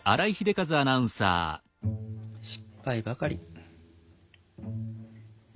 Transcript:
失敗ばかり。